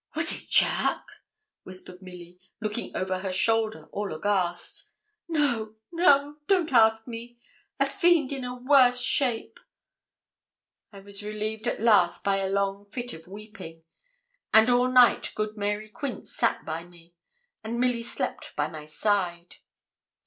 'Was it Charke?' whispered Milly, looking over her shoulder, all aghast. 'No, no don't ask me; a fiend in a worse shape.' I was relieved at last by a long fit of weeping; and all night good Mary Quince sat by me, and Milly slept by my side.